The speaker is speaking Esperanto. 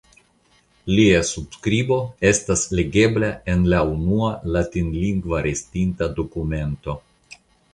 Lia subskribo estas legebla en la unua latinlingva restinta dokumento.